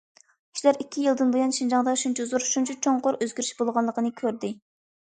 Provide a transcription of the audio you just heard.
كىشىلەر ئىككى يىلدىن بۇيان شىنجاڭدا شۇنچە زور، شۇنچە چوڭقۇر ئۆزگىرىش بولغانلىقىنى كۆردى!